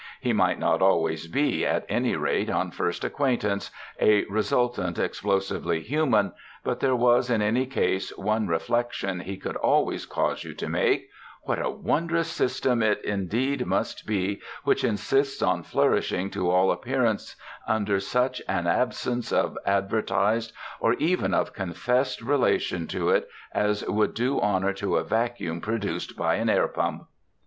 He might not always be, at any rate on first acquaintance, a resultant explosively human, but there was in any case one reflection he could always cause you to make: "What a wondrous system it indeed must be which insists on flourishing to all appearance under such an absence of advertised or even of confessed relation to it as would do honour to a vacuum produced by an air pump!"